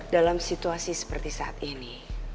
dalam situasi seperti saat ini